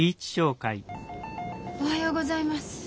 おはようございます。